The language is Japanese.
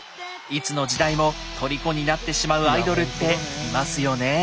いつの時代もとりこになってしまうアイドルっていますよねえ。